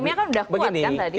semuanya kan udah kuat kan tadi